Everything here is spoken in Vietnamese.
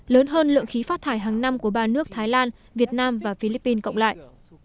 lớn hơn lượng khí phát thải hàng năm của ba nước thái lan việt nam và philippines cộng lại